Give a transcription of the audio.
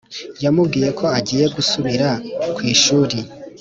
yamubwiye ko agiye gusubira ku ishuri